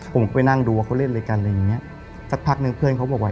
ผมก็ไปนั่งดูว่าเขาเล่นอะไรกันอะไรอย่างเงี้ยสักพักนึงเพื่อนเขาบอกว่า